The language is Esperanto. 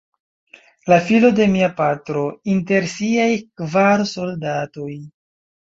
La filo de mia patro, inter siaj kvar soldatoj.